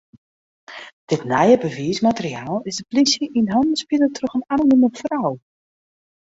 Dit nije bewiismateriaal is de plysje yn hannen spile troch in anonime frou.